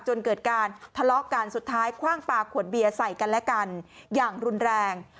จนเกิดการทะเลาะกันสุดท้ายคว่างปลาขวดเบียร์ใส่กันและกันอย่างรุนแรง